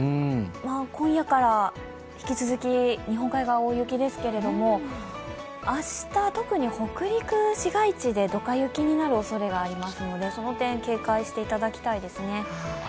今夜から引き続き日本海側、大雪ですけど明日、特に北陸市街地でドカ雪になるおそれがありますのでその点警戒していただきたいですね。